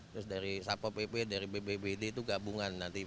terus dari sapo pp dari bbbd itu gabungan nanti